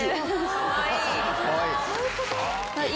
かわいい！